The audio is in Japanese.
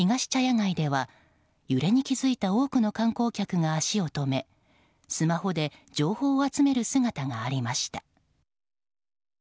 街では揺れに気付いた多くの観光客が足を止めスマホで情報を集める姿がありました。